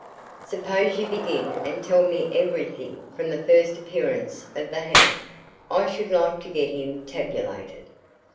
Suppose you begin and tell me everything from the first appearance of the ha'nt. I should like to get him tabulated."